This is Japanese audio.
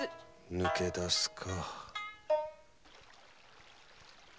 抜け出すか。